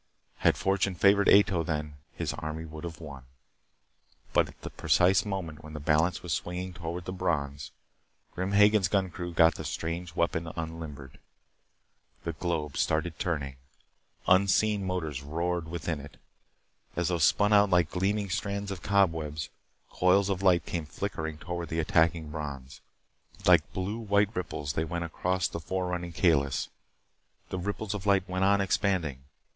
Had fortune favored Ato then, his army would have won. But at the precise moment when the balance was swinging toward the Brons, Grim Hagen's gun crew got the strange weapon unlimbered. The globe started turning. Unseen motors roared within it. As though spun out like gleaming strands of cobwebs, coils of light came flickering toward the attacking Brons. Like blue white ripples they went across the fore running Kalis. The ripples of light went on expanding.